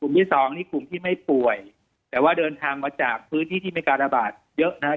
ที่สองนี่กลุ่มที่ไม่ป่วยแต่ว่าเดินทางมาจากพื้นที่ที่มีการระบาดเยอะนะครับ